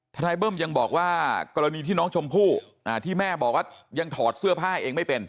เบิ้มยังบอกว่ากรณีที่น้องชมพู่ที่แม่บอกว่ายังถอดเสื้อผ้าเองไม่เป็น